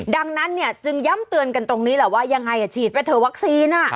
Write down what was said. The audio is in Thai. ดังนั้นเนี่ยจึงย้ำเตือนกันตรงนี้แหละว่ายังไงฉีดไปเถอะวัคซีน